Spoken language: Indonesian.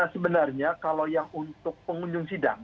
sebenarnya kalau yang untuk pengunjung sidang